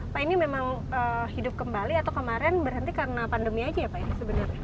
pak ini memang hidup kembali atau kemarin berhenti karena pandemi aja ya pak ya sebenarnya